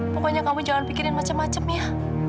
pokoknya kamu jangan pikirin macam macam ya